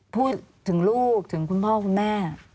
พูดถึงลูกถึงคุณพ่อคุณแม่